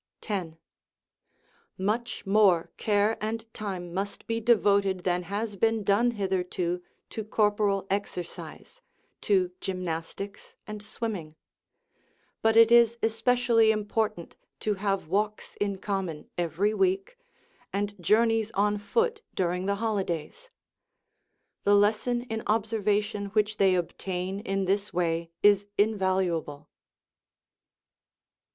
10. Much more care and time must be devoted than has been done hitherto to corporal exercise, to gymnas tics and swimming ; but it is especially important to have walks in common every week, and journeys on foot during the holidays. The lesson in observation w^hich they obtain in this way is invaluable.